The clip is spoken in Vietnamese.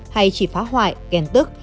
hay chỉ phá hoại ghen tức